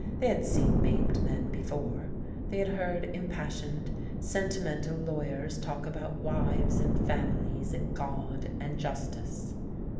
They had seen maimed men before, they had heard impassioned, sentimental lawyers talk about wives and families and God and justice.